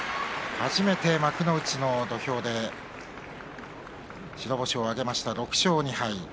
初めて幕内の土俵で白星を挙げました６勝２敗。